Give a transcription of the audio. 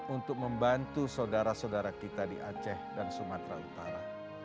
untuk membantu saudara saudara kita di aceh dan sumatera utara